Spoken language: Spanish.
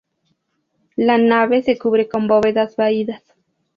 La nave se cubre con bóvedas vaídas.